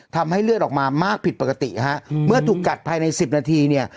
ทำให้เลือดออกมามากผิดปกติฮะเมื่อถูกกัดภายในสิบนาทีเนี่ย